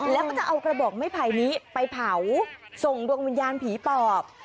แล้วก็จะเอากระบอกไม้ไผ่นี้ไปเผาส่งดวงวิญญาณผีปอบ